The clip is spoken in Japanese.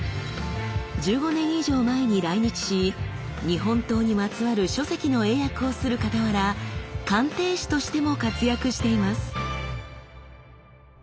１５年以上前に来日し日本刀にまつわる書籍の英訳をするかたわら鑑定士としても活躍しています。